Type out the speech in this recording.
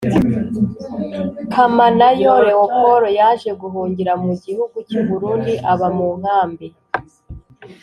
Kamanayo leopord yaje guhungira mu gihugu cy u burundi aba mu nkambi